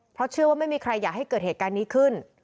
เพราะเชื่อว่าไม่มีใครอยากให้เกิดเหตุการณ์นี้ขึ้น